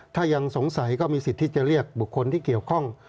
ถ้ายังสงสัยก็มีสิทธิ์ที่จะเรียกบุคคลที่เกี่ยวข้อง